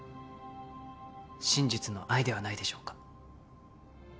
真実の愛ではないでしょうか